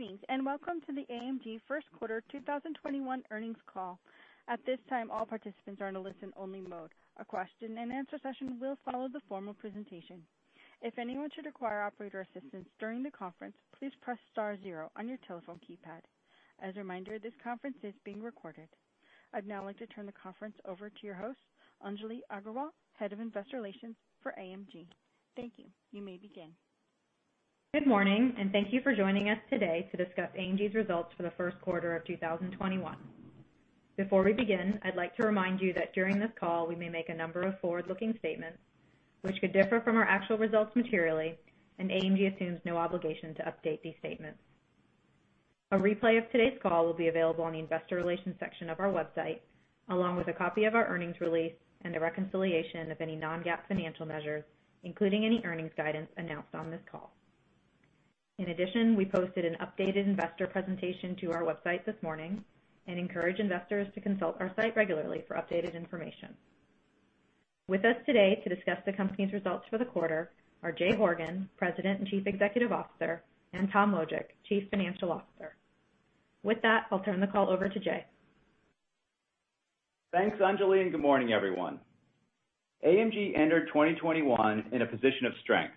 Greetings, and welcome to the AMG first quarter 2021 earnings call. At this time, all participants are in a listen-only mode. A question and answer session will follow the formal presentation. If anyone should require operator assistance during the conference, please press star zero on your telephone keypad. As a reminder, this conference is being recorded. I'd now like to turn the conference over to your host, Anjali Aggarwal, Head of Investor Relations for AMG. Thank you. You may begin. Good morning. Thank you for joining us today to discuss AMG's results for the first quarter of 2021. Before we begin, I'd like to remind you that during this call, we may make a number of forward-looking statements, which could differ from our actual results materially, and AMG assumes no obligation to update these statements. A replay of today's call will be available on the Investor Relations section of our website, along with a copy of our earnings release and a reconciliation of any non-GAAP financial measures, including any earnings guidance announced on this call. In addition, we posted an updated investor presentation to our website this morning and encourage investors to consult our site regularly for updated information. With us today to discuss the company's results for the quarter are Jay Horgen, President and Chief Executive Officer, and Tom Wojcik, Chief Financial Officer. With that, I'll turn the call over to Jay. Thanks, Anjali, and good morning, everyone. AMG entered 2021 in a position of strength,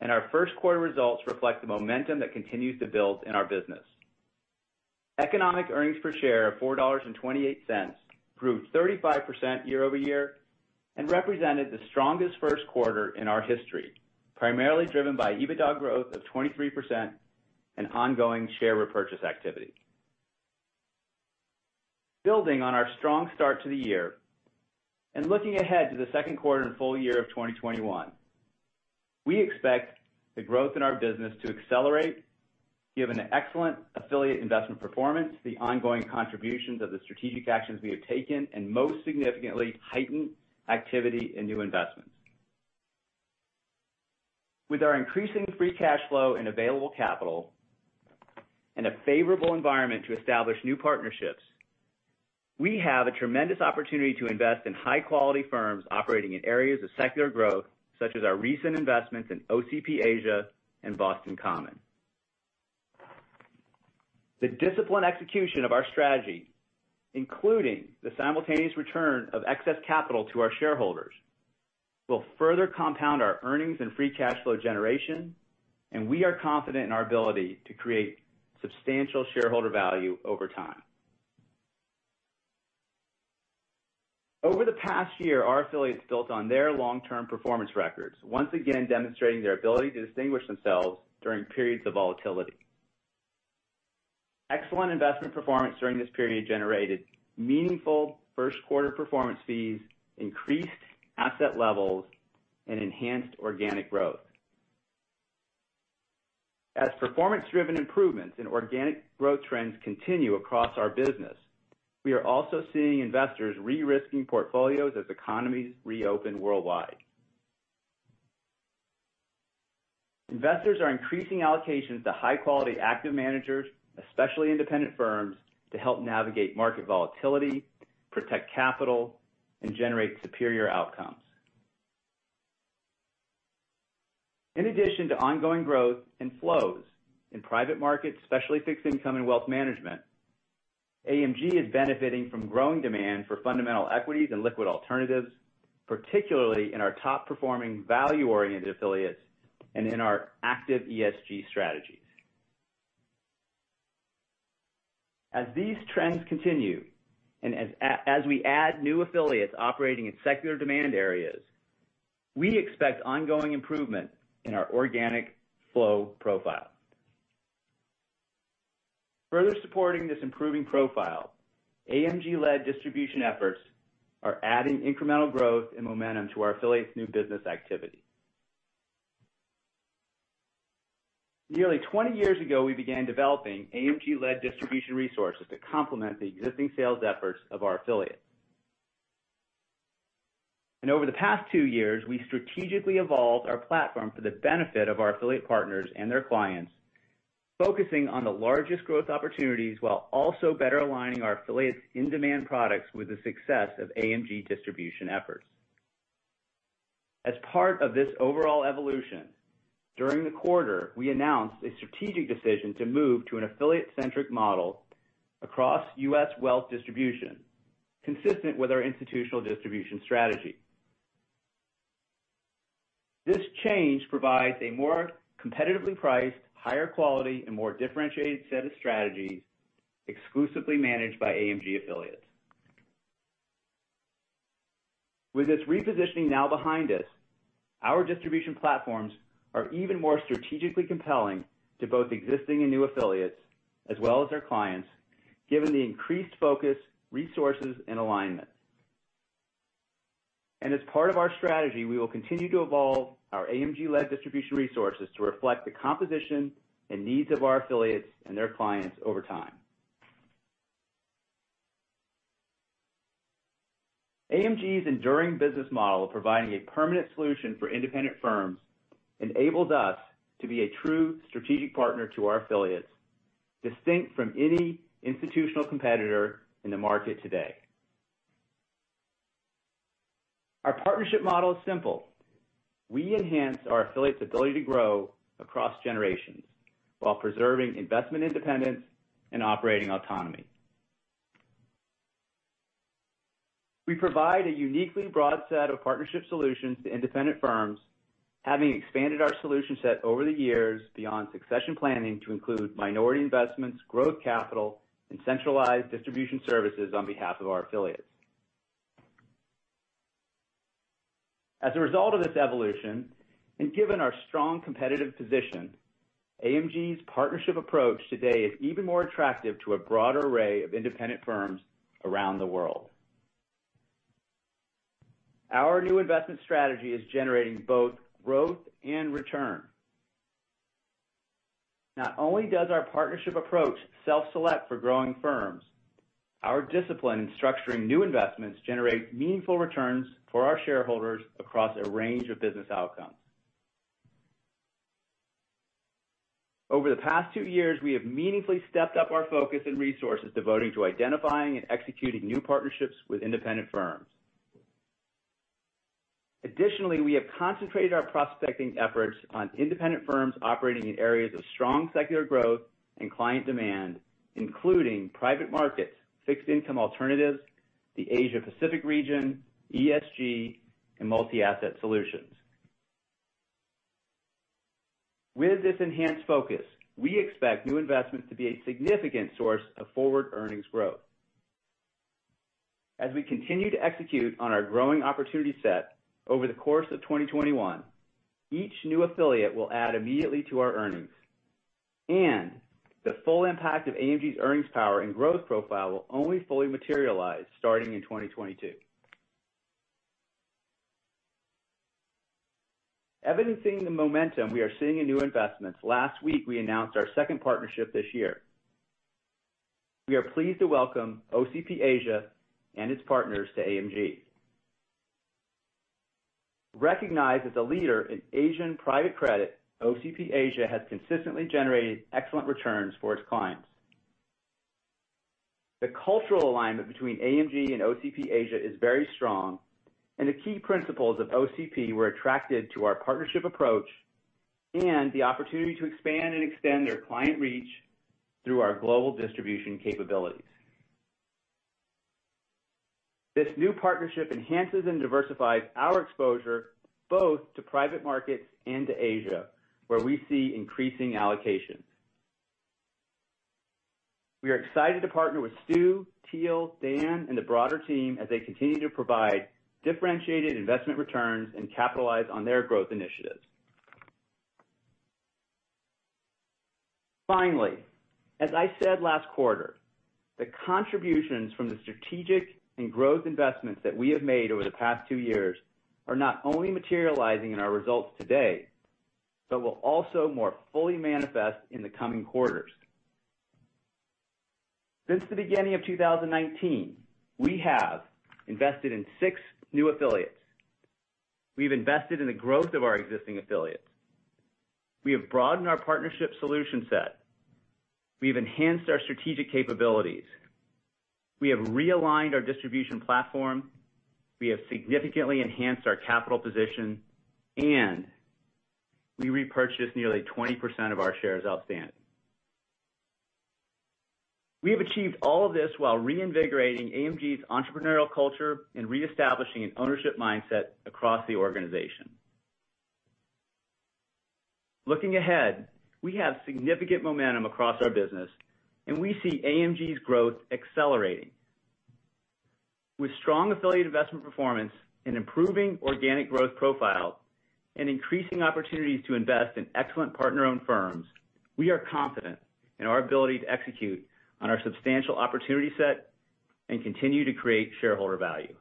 and our first quarter results reflect the momentum that continues to build in our business. Economic earnings per share of $4.28 grew 35% year-over-year and represented the strongest first quarter in our history, primarily driven by EBITDA growth of 23% and ongoing share repurchase activity. Building on our strong start to the year and looking ahead to the second quarter and full year of 2021, we expect the growth in our business to accelerate given the excellent affiliate investment performance, the ongoing contributions of the strategic actions we have taken, and most significantly, heightened activity in new investments. With our increasing free cash flow and available capital and a favorable environment to establish new partnerships, we have a tremendous opportunity to invest in high-quality firms operating in areas of secular growth, such as our recent investments in OCP Asia and Boston Common. The disciplined execution of our strategy, including the simultaneous return of excess capital to our shareholders, will further compound our earnings and free cash flow generation. We are confident in our ability to create substantial shareholder value over time. Over the past year, our affiliates built on their long-term performance records, once again demonstrating their ability to distinguish themselves during periods of volatility. Excellent investment performance during this period generated meaningful first-quarter performance fees, increased asset levels, and enhanced organic growth. As performance-driven improvements in organic growth trends continue across our business, we are also seeing investors re-risking portfolios as economies reopen worldwide. Investors are increasing allocations to high-quality active managers, especially independent firms, to help navigate market volatility, protect capital, and generate superior outcomes. In addition to ongoing growth and flows in private markets, especially fixed income and wealth management, AMG is benefiting from growing demand for fundamental equities and liquid alternatives, particularly in our top-performing value-oriented affiliates and in our active ESG strategies. As these trends continue and as we add new affiliates operating in secular demand areas, we expect ongoing improvement in our organic flow profile. Further supporting this improving profile, AMG-led distribution efforts are adding incremental growth and momentum to our affiliates' new business activity. Nearly 20 years ago, we began developing AMG-led distribution resources to complement the existing sales efforts of our affiliates. Over the past two years, we strategically evolved our platform for the benefit of our affiliate partners and their clients, focusing on the largest growth opportunities while also better aligning our affiliates' in-demand products with the success of AMG distribution efforts. As part of this overall evolution, during the quarter, we announced a strategic decision to move to an affiliate-centric model across U.S. wealth distribution, consistent with our institutional distribution strategy. This change provides a more competitively priced, higher quality, and more differentiated set of strategies exclusively managed by AMG affiliates. With this repositioning now behind us, our distribution platforms are even more strategically compelling to both existing and new affiliates, as well as their clients, given the increased focus, resources, and alignment. As part of our strategy, we will continue to evolve our AMG-led distribution resources to reflect the composition and needs of our affiliates and their clients over time. AMG's enduring business model of providing a permanent solution for independent firms enables us to be a true strategic partner to our affiliates, distinct from any institutional competitor in the market today. Our partnership model is simple. We enhance our affiliates' ability to grow across generations while preserving investment independence and operating autonomy. We provide a uniquely broad set of partnership solutions to independent firms, having expanded our solution set over the years beyond succession planning to include minority investments, growth capital, and centralized distribution services on behalf of our affiliates. As a result of this evolution, and given our strong competitive position, AMG's partnership approach today is even more attractive to a broad array of independent firms around the world. Our new investment strategy is generating both growth and return. Not only does our partnership approach self-select for growing firms, our discipline in structuring new investments generates meaningful returns for our shareholders across a range of business outcomes. Over the past two years, we have meaningfully stepped up our focus and resources devoted to identifying and executing new partnerships with independent firms. Additionally, we have concentrated our prospecting efforts on independent firms operating in areas of strong secular growth and client demand, including private markets, fixed income alternatives, the Asia-Pacific region, ESG, and multi-asset solutions. With this enhanced focus, we expect new investments to be a significant source of forward earnings growth. As we continue to execute on our growing opportunity set over the course of 2021, each new affiliate will add immediately to our earnings, and the full impact of AMG's earnings power and growth profile will only fully materialize starting in 2022. Evidencing the momentum we are seeing in new investments, last week we announced our second partnership this year. We are pleased to welcome OCP Asia and its partners to AMG. Recognized as a leader in Asian private credit, OCP Asia has consistently generated excellent returns for its clients. The cultural alignment between AMG and OCP Asia is very strong, and the key principles of OCP were attracted to our partnership approach and the opportunity to expand and extend their client reach through our global distribution capabilities. This new partnership enhances and diversifies our exposure both to private markets and to Asia, where we see increasing allocations. We are excited to partner with Stu, Teall, Dan, and the broader team as they continue to provide differentiated investment returns and capitalize on their growth initiatives. Finally, as I said last quarter, the contributions from the strategic and growth investments that we have made over the past two years are not only materializing in our results today, but will also more fully manifest in the coming quarters. Since the beginning of 2019, we have invested in six new affiliates. We've invested in the growth of our existing affiliates. We have broadened our partnership solution set. We've enhanced our strategic capabilities. We have realigned our distribution platform. We have significantly enhanced our capital position, and we repurchased nearly 20% of our shares outstanding. We have achieved all of this while reinvigorating AMG's entrepreneurial culture and reestablishing an ownership mindset across the organization. Looking ahead, we have significant momentum across our business, and we see AMG's growth accelerating. With strong affiliate investment performance and improving organic growth profile and increasing opportunities to invest in excellent partner-owned firms, we are confident in our ability to execute on our substantial opportunity set and continue to create shareholder value.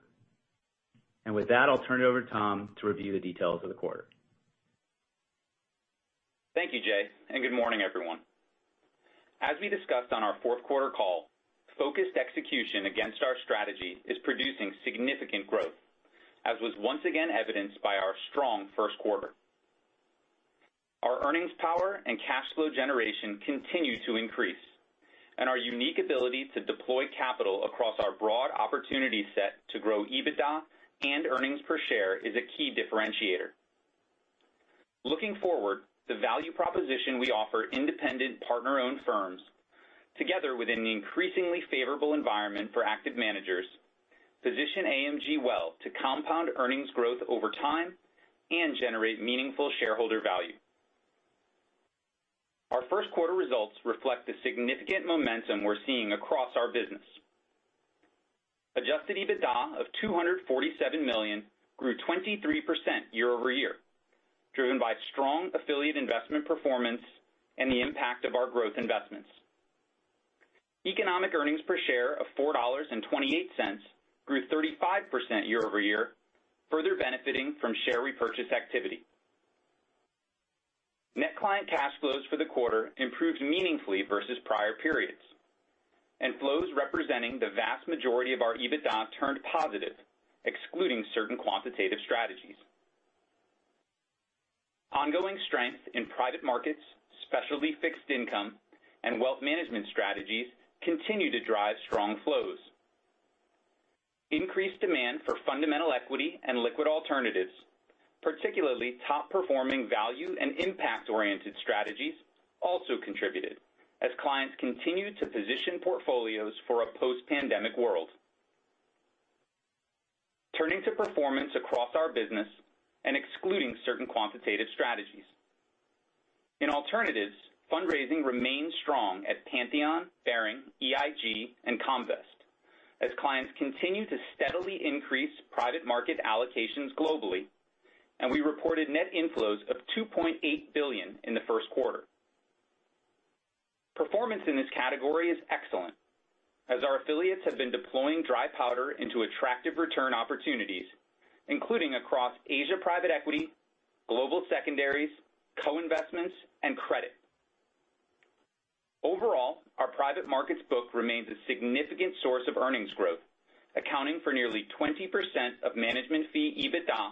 With that, I'll turn it over to Tom to review the details of the quarter. Thank you, Jay, good morning, everyone. As we discussed on our fourth quarter call, focused execution against our strategy is producing significant growth, as was once again evidenced by our strong first quarter. Our earnings power and cash flow generation continue to increase, and our unique ability to deploy capital across our broad opportunity set to grow EBITDA and earnings per share is a key differentiator. Looking forward, the value proposition we offer independent partner-owned firms, together with an increasingly favorable environment for active managers, position AMG well to compound earnings growth over time and generate meaningful shareholder value. Our first quarter results reflect the significant momentum we're seeing across our business. Adjusted EBITDA of $247 million grew 23% year-over-year, driven by strong affiliate investment performance and the impact of our growth investments. Economic earnings per share of $4.28 grew 35% year-over-year, further benefiting from share repurchase activity. Net client cash flows for the quarter improved meaningfully versus prior periods, and flows representing the vast majority of our EBITDA turned positive, excluding certain quantitative strategies. Ongoing strength in private markets, specialty fixed income, and wealth management strategies continue to drive strong flows. Increased demand for fundamental equity and liquid alternatives, particularly top-performing value and impact-oriented strategies, also contributed as clients continue to position portfolios for a post-pandemic world. Turning to performance across our business and excluding certain quantitative strategies. In alternatives, fundraising remained strong at Pantheon, Baring, EIG, and Comvest as clients continue to steadily increase private market allocations globally, and we reported net inflows of $2.8 billion in the first quarter. Performance in this category is excellent, as our affiliates have been deploying dry powder into attractive return opportunities, including across Asia private equity, global secondaries, co-investments, and credit. Overall, our private markets book remains a significant source of earnings growth, accounting for nearly 20% of management fee EBITDA,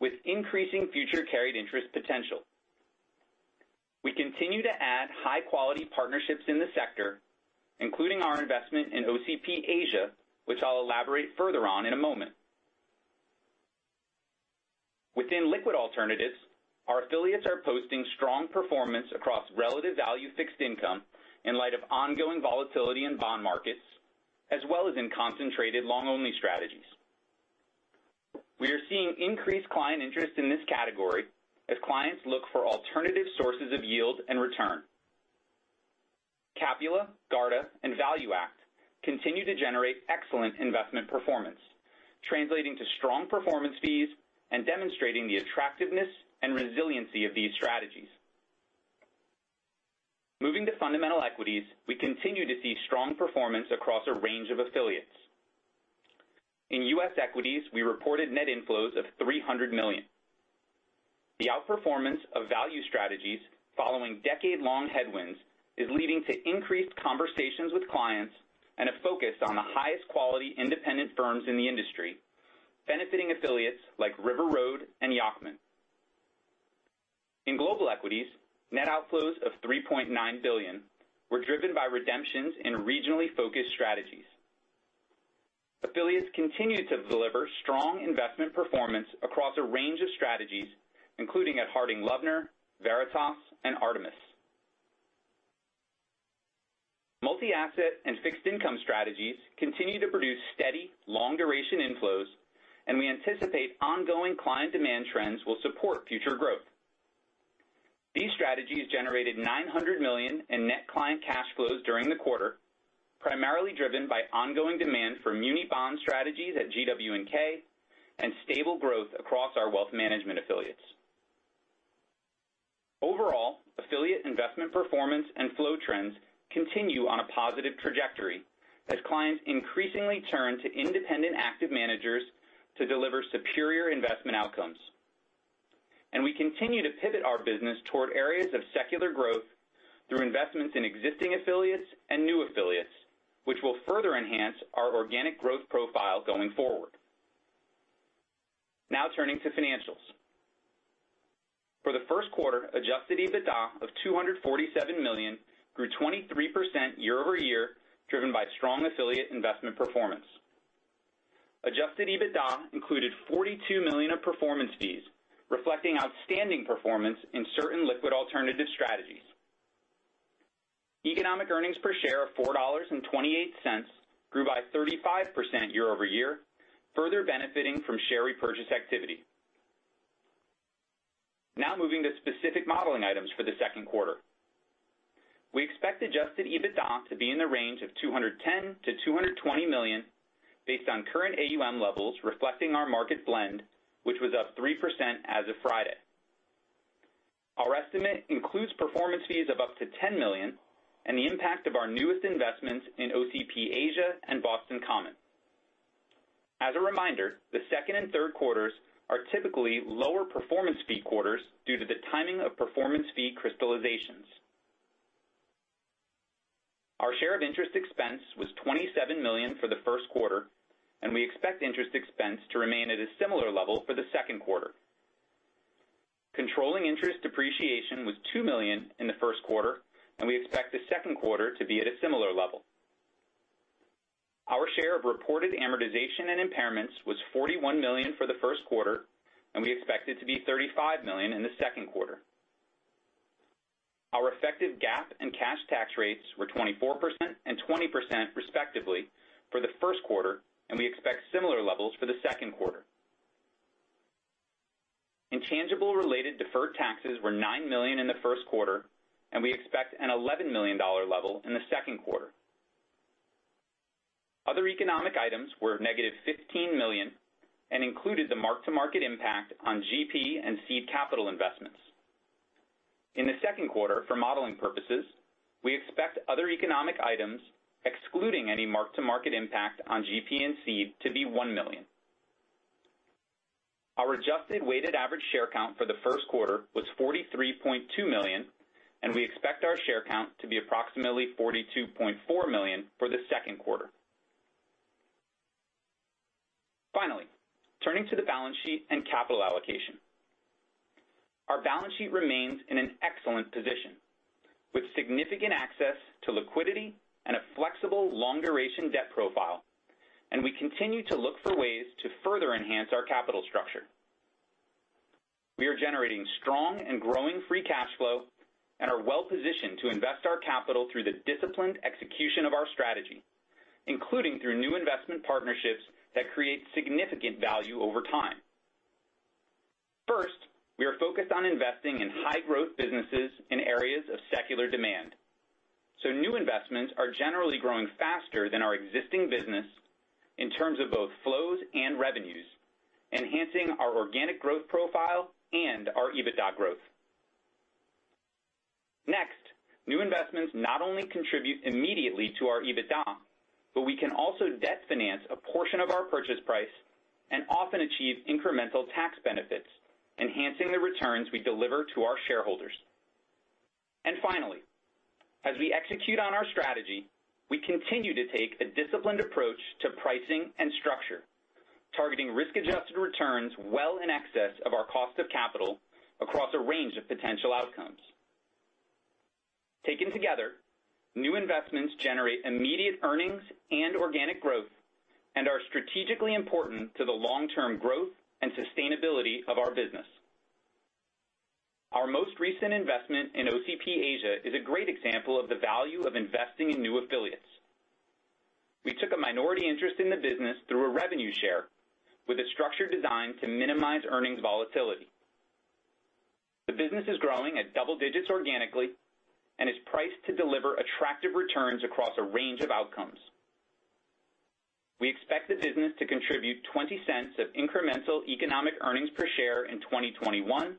with increasing future carried interest potential. We continue to add high-quality partnerships in the sector, including our investment in OCP Asia, which I'll elaborate further on in a moment. Within liquid alternatives, our affiliates are posting strong performance across relative value fixed income in light of ongoing volatility in bond markets, as well as in concentrated long-only strategies. We are seeing increased client interest in this category as clients look for alternative sources of yield and return. Capula, Garda, and ValueAct continue to generate excellent investment performance, translating to strong performance fees and demonstrating the attractiveness and resiliency of these strategies. Moving to fundamental equities, we continue to see strong performance across a range of affiliates. In U.S. equities, we reported net inflows of $300 million. The outperformance of value strategies following decade-long headwinds is leading to increased conversations with clients and a focus on the highest quality independent firms in the industry, benefiting affiliates like River Road and Yacktman. In global equities, net outflows of $3.9 billion were driven by redemptions in regionally focused strategies. Affiliates continue to deliver strong investment performance across a range of strategies, including at Harding Loevner, Veritas, and Artemis. Multi-asset and fixed income strategies continue to produce steady, long-duration inflows. We anticipate ongoing client demand trends will support future growth. These strategies generated $900 million in net client cash flows during the quarter, primarily driven by ongoing demand for muni bond strategies at GW&K and stable growth across our wealth management affiliates. Overall, affiliate investment performance and flow trends continue on a positive trajectory as clients increasingly turn to independent active managers to deliver superior investment outcomes. We continue to pivot our business toward areas of secular growth through investments in existing affiliates and new affiliates, which will further enhance our organic growth profile going forward. Turning to financials. For the first quarter, adjusted EBITDA of $247 million grew 23% year-over-year, driven by strong affiliate investment performance. Adjusted EBITDA included $42 million of performance fees, reflecting outstanding performance in certain liquid alternative strategies. Economic earnings per share of $4.28 grew by 35% year-over-year, further benefiting from share repurchase activity. Moving to specific modeling items for the second quarter. We expect adjusted EBITDA to be in the range of $210 million-$220 million based on current AUM levels reflecting our market blend, which was up 3% as of Friday. Our estimate includes performance fees of up to $10 million and the impact of our newest investments in OCP Asia and Boston Common. As a reminder, the second and third quarters are typically lower performance fee quarters due to the timing of performance fee crystallizations. Our share of interest expense was $27 million for the first quarter, and we expect interest expense to remain at a similar level for the second quarter. Controlling interest depreciation was $2 million in the first quarter, and we expect the second quarter to be at a similar level. Our share of reported amortization and impairments was $41 million for the first quarter, and we expect it to be $35 million in the second quarter. Our effective GAAP and cash tax rates were 24% and 20%, respectively, for the first quarter. We expect similar levels for the second quarter. Intangible-related deferred taxes were $9 million in the first quarter. We expect an $11 million level in the second quarter. Other economic items were -$15 million and included the mark-to-market impact on GP and seed capital investments. In the second quarter, for modeling purposes, we expect other economic items, excluding any mark-to-market impact on GP and seed, to be $1 million. Our adjusted weighted average share count for the first quarter was 43.2 million. We expect our share count to be approximately 42.4 million for the second quarter. Finally, turning to the balance sheet and capital allocation. Our balance sheet remains in an excellent position with significant access to liquidity and a flexible long-duration debt profile. We continue to look for ways to further enhance our capital structure. We are generating strong and growing free cash flow and are well-positioned to invest our capital through the disciplined execution of our strategy, including through new investment partnerships that create significant value over time. First, we are focused on investing in high growth businesses in areas of secular demand. New investments are generally growing faster than our existing business in terms of both flows and revenues, enhancing our organic growth profile and our EBITDA growth. Next, new investments not only contribute immediately to our EBITDA, but we can also debt finance a portion of our purchase price and often achieve incremental tax benefits, enhancing the returns we deliver to our shareholders. Finally, as we execute on our strategy, we continue to take a disciplined approach to pricing and structure, targeting risk-adjusted returns well in excess of our cost of capital across a range of potential outcomes. Taken together, new investments generate immediate earnings and organic growth and are strategically important to the long-term growth and sustainability of our business. Our most recent investment in OCP Asia is a great example of the value of investing in new affiliates. We took a minority interest in the business through a revenue share with a structure designed to minimize earnings volatility. The business is growing at double digits organically and is priced to deliver attractive returns across a range of outcomes. We expect the business to contribute $0.20 of incremental economic earnings per share in 2021 and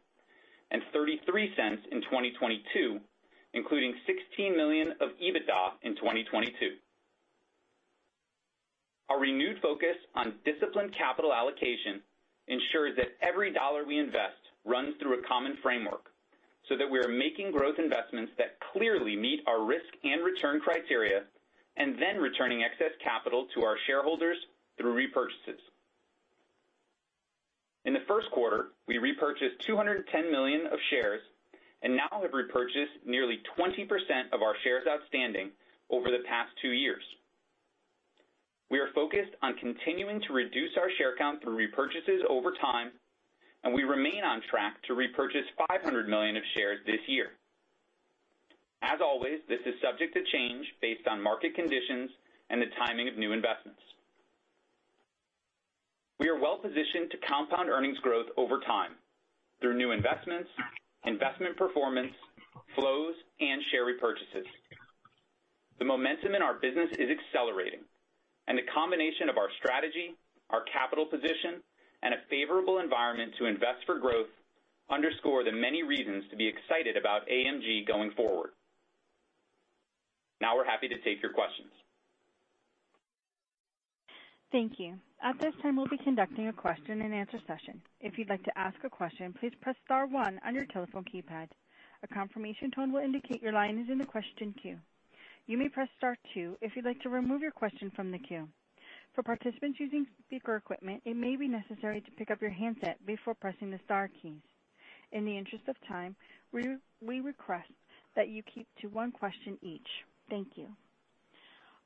$0.33 in 2022, including $16 million of EBITDA in 2022. Our renewed focus on disciplined capital allocation ensures that every dollar we invest runs through a common framework, so that we are making growth investments that clearly meet our risk and return criteria, and then returning excess capital to our shareholders through repurchases. In the first quarter, we repurchased 210 million of shares and now have repurchased nearly 20% of our shares outstanding over the past two years. We are focused on continuing to reduce our share count through repurchases over time, and we remain on track to repurchase 500 million of shares this year. As always, this is subject to change based on market conditions and the timing of new investments. We are well positioned to compound earnings growth over time through new investments, investment performance, flows, and share repurchases. The momentum in our business is accelerating, and the combination of our strategy, our capital position, and a favorable environment to invest for growth underscore the many reasons to be excited about AMG going forward. Now we're happy to take your questions. Thank you. At this time, we'll be conducting a question and answer session. If you'd like to ask a question, please press star one on your telephone keypad. A confirmation tone will indicate your line is in the question queue. You may press star two if you'd like to remove your question from the queue. For participants using speaker equipment, it may be necessary to pick up your handset before pressing the star keys. In the interest of time, we request that you keep to one question each. Thank you.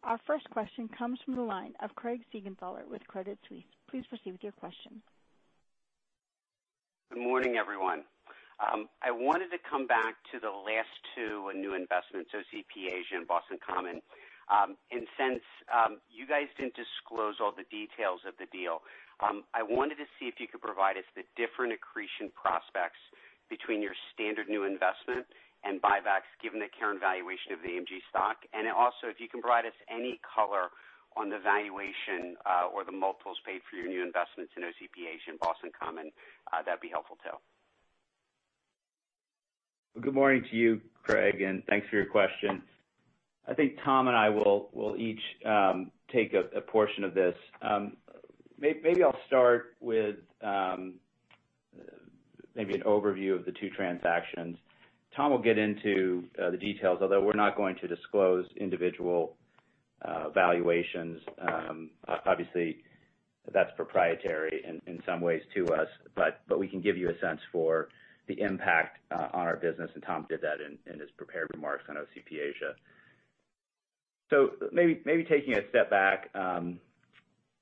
Our first question comes from the line of Craig Siegenthaler with Credit Suisse. Please proceed with your question. Good morning, everyone. I wanted to come back to the last two new investments, OCP Asia and Boston Common. Since you guys didn't disclose all the details of the deal, I wanted to see if you could provide us the different accretion prospects between your standard new investment and buybacks, given the current valuation of the AMG stock. Also, if you can provide us any color on the valuation or the multiples paid for your new investments in OCP Asia and Boston Common, that'd be helpful too. Good morning to you, Craig, and thanks for your question. I think Tom and I will each take a portion of this. Maybe I'll start with an overview of the two transactions. Tom will get into the details, although we're not going to disclose individual valuations. Obviously, that's proprietary in some ways to us, but we can give you a sense for the impact on our business, and Tom did that in his prepared remarks on OCP Asia. Maybe taking a step back,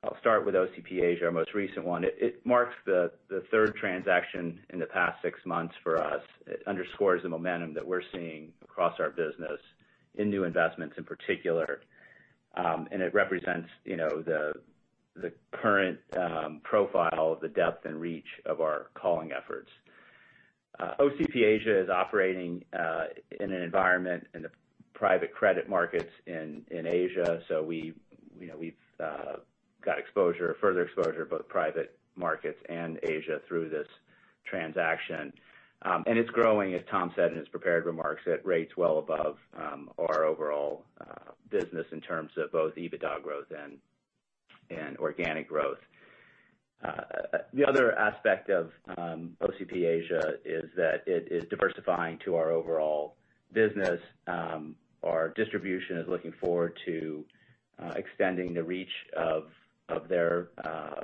I'll start with OCP Asia, our most recent one. It marks the third transaction in the past six months for us. It underscores the momentum that we're seeing across our business in new investments in particular. It represents the current profile of the depth and reach of our calling efforts. OCP Asia is operating in an environment in the private credit markets in Asia. We've got further exposure to both private markets and Asia through this transaction. It's growing, as Tom said in his prepared remarks, at rates well above our overall business in terms of both EBITDA growth and organic growth. The other aspect of OCP Asia is that it is diversifying to our overall business. Our distribution is looking forward to extending the reach of their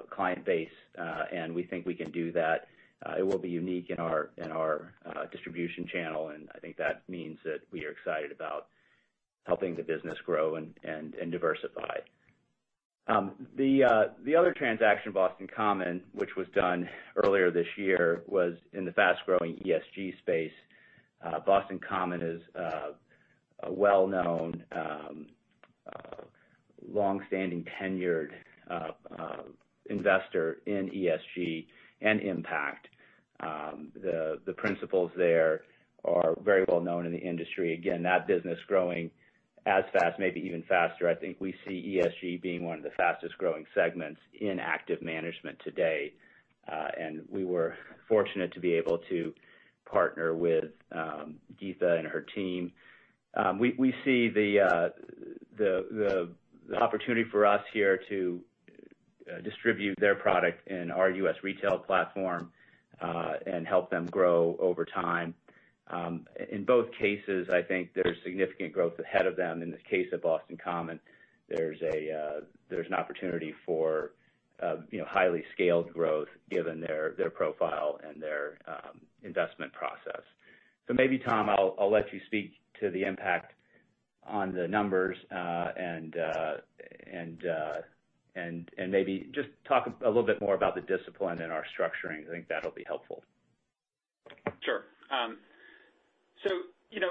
client base. We think we can do that. It will be unique in our distribution channel, and I think that means that we are excited about helping the business grow and diversify. The other transaction, Boston Common, which was done earlier this year, was in the fast-growing ESG space. Boston Common is a well-known, long-standing tenured investor in ESG and impact. The principals there are very well-known in the industry. Again, that business growing as fast, maybe even faster. I think we see ESG being one of the fastest-growing segments in active management today. We were fortunate to be able to partner with Geeta and her team. We see the opportunity for us here to distribute their product in our U.S. retail platform, and help them grow over time. In both cases, I think there's significant growth ahead of them. In the case of Boston Common, there's an opportunity for highly scaled growth given their profile and their investment process. Maybe, Tom, I'll let you speak to the impact on the numbers, and maybe just talk a little bit more about the discipline in our structuring. I think that'll be helpful. Sure.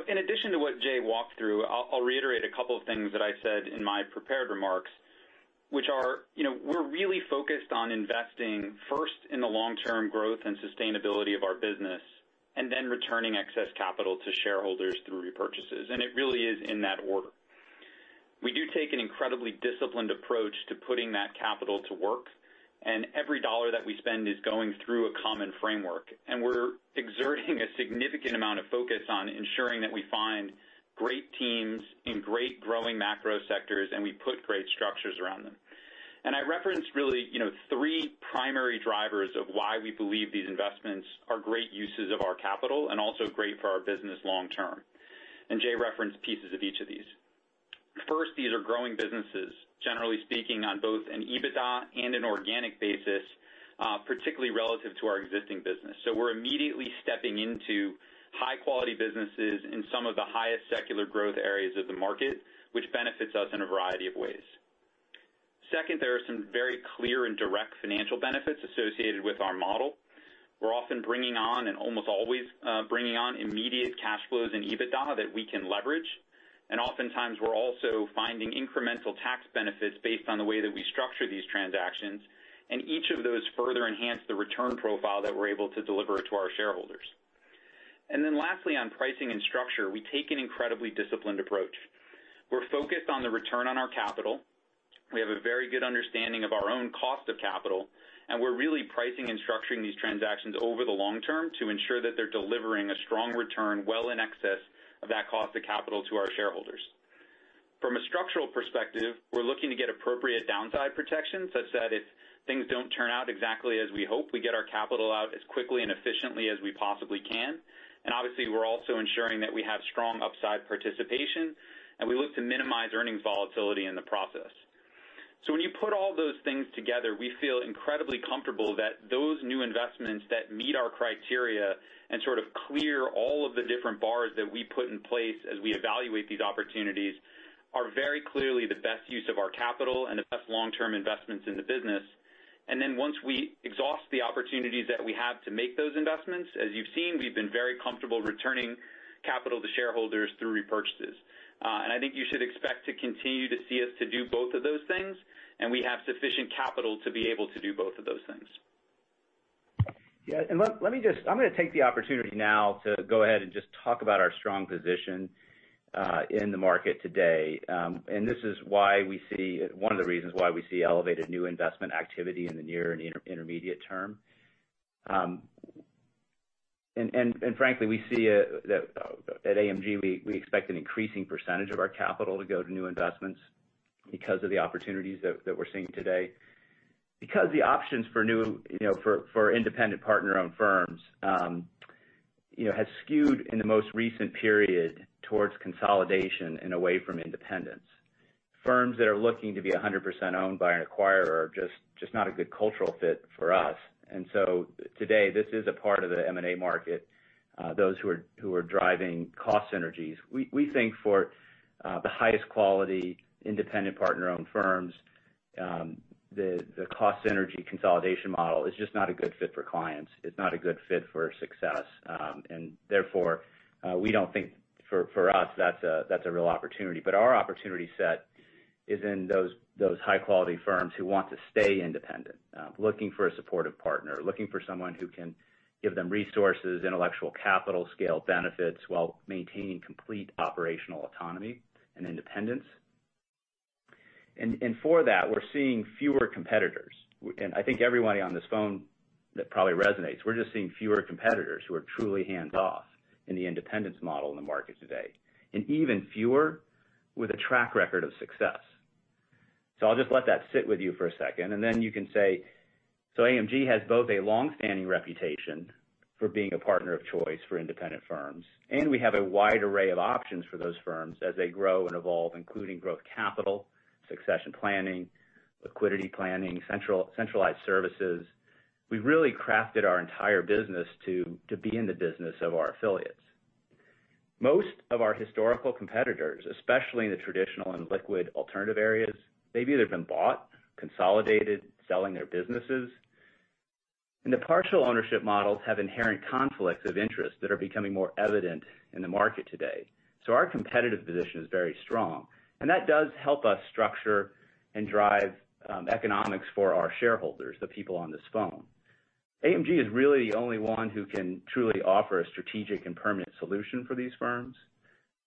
In addition to what Jay walked through, I'll reiterate a couple of things that I said in my prepared remarks, which are, we're really focused on investing first in the long-term growth and sustainability of our business, and then returning excess capital to shareholders through repurchases. It really is in that order. We do take an incredibly disciplined approach to putting that capital to work, and every dollar that we spend is going through a common framework. We're exerting a significant amount of focus on ensuring that we find great teams in great growing macro sectors, and we put great structures around them. I referenced really three primary drivers of why we believe these investments are great uses of our capital and also great for our business long term. Jay referenced pieces of each of these. First, these are growing businesses, generally speaking, on both an EBITDA and an organic basis, particularly relative to our existing business. We're immediately stepping into high-quality businesses in some of the highest secular growth areas of the market, which benefits us in a variety of ways. Second, there are some very clear and direct financial benefits associated with our model. We're often bringing on, and almost always bringing on immediate cash flows and EBITDA that we can leverage. Oftentimes we're also finding incremental tax benefits based on the way that we structure these transactions. Each of those further enhance the return profile that we're able to deliver to our shareholders. Lastly, on pricing and structure, we take an incredibly disciplined approach. We're focused on the return on our capital. We have a very good understanding of our own cost of capital, and we're really pricing and structuring these transactions over the long term to ensure that they're delivering a strong return well in excess of that cost of capital to our shareholders. From a structural perspective, we're looking to get appropriate downside protection such that if things don't turn out exactly as we hope, we get our capital out as quickly and efficiently as we possibly can. Obviously, we're also ensuring that we have strong upside participation, and we look to minimize earnings volatility in the process. When you put all those things together, we feel incredibly comfortable that those new investments that meet our criteria and sort of clear all of the different bars that we put in place as we evaluate these opportunities, are very clearly the best use of our capital and the best long-term investments in the business. Then once we exhaust the opportunities that we have to make those investments, as you've seen, we've been very comfortable returning capital to shareholders through repurchases. I think you should expect to continue to see us to do both of those things, and we have sufficient capital to be able to do both of those things. I'm going to take the opportunity now to go ahead and just talk about our strong position in the market today. This is one of the reasons why we see elevated new investment activity in the near and intermediate term. Frankly, we see at AMG, we expect an increasing percentage of our capital to go to new investments because of the opportunities that we're seeing today. The options for independent partner-owned firms, has skewed in the most recent period towards consolidation and away from independence. Firms that are looking to be 100% owned by an acquirer are just not a good cultural fit for us. Today, this is a part of the M&A market. Those who are driving cost synergies. We think for the highest quality independent partner-owned firms, the cost synergy consolidation model is just not a good fit for clients. It's not a good fit for success. Therefore, we don't think for us, that's a real opportunity. Our opportunity set is in those high-quality firms who want to stay independent, looking for a supportive partner. Looking for someone who can give them resources, intellectual capital, scale benefits, while maintaining complete operational autonomy and independence. For that, we're seeing fewer competitors. I think everybody on this phone, that probably resonates. We're just seeing fewer competitors who are truly hands-off in the independence model in the market today. Even fewer with a track record of success. I'll just let that sit with you for a second, and then you can say. AMG has both a long-standing reputation for being a partner of choice for independent firms, and we have a wide array of options for those firms as they grow and evolve, including growth capital, succession planning, liquidity planning, centralized services. We've really crafted our entire business to be in the business of our affiliates. Most of our historical competitors, especially in the traditional and liquid alternative areas, they've either been bought, consolidated, selling their businesses. The partial ownership models have inherent conflicts of interest that are becoming more evident in the market today. Our competitive position is very strong, and that does help us structure and drive economics for our shareholders, the people on this phone. AMG is really the only one who can truly offer a strategic and permanent solution for these firms.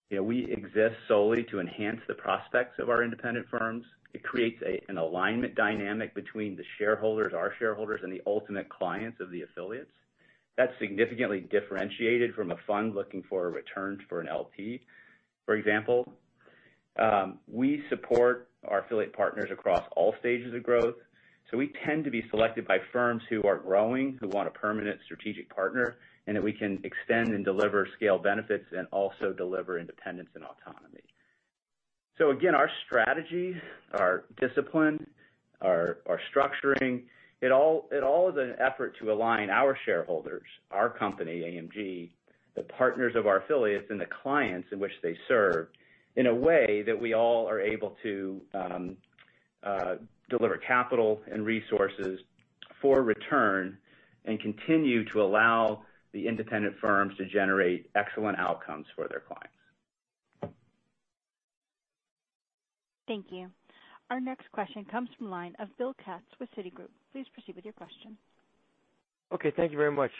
We exist solely to enhance the prospects of our independent firms. It creates an alignment dynamic between the shareholders, our shareholders, and the ultimate clients of the affiliates. That's significantly differentiated from a fund looking for a return for an LP. For example, we support our affiliate partners across all stages of growth. We tend to be selected by firms who are growing, who want a permanent strategic partner, and that we can extend and deliver scale benefits and also deliver independence and autonomy. Again, our strategy, our discipline, our structuring, it all is an effort to align our shareholders, our company, AMG, the partners of our affiliates, and the clients in which they serve, in a way that we all are able to deliver capital and resources for return and continue to allow the independent firms to generate excellent outcomes for their clients. Thank you. Our next question comes from the line of Bill Katz with Citigroup. Please proceed with your question. Okay. Thank you very much.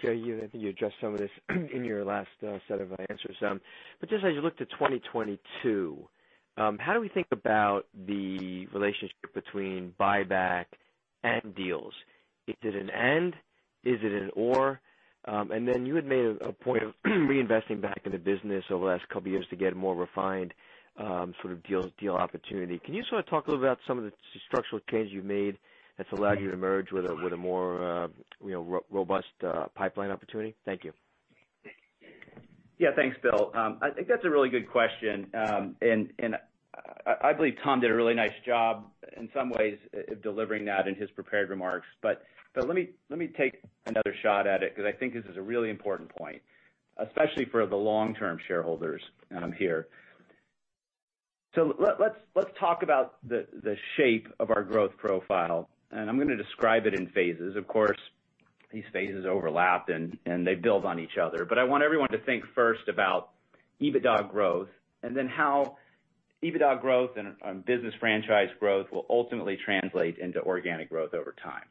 Jay, you addressed some of this in your last set of answers. Just as you look to 2022, how do we think about the relationship between buyback and deals? Is it an and? Is it an or? Then you had made a point of reinvesting back in the business over the last couple of years to get a more refined sort of deal opportunity. Can you sort of talk a little about some of the structural changes you've made that's allowed you to emerge with a more robust pipeline opportunity? Thank you. Thanks, Bill. I think that's a really good question. I believe Tom did a really nice job in some ways delivering that in his prepared remarks. Let me take another shot at it because I think this is a really important point, especially for the long-term shareholders here. Let's talk about the shape of our growth profile. I'm going to describe it in phases. Of course, these phases overlap. They build on each other. I want everyone to think first about EBITDA growth. Then how EBITDA growth and business franchise growth will ultimately translate into organic growth over time.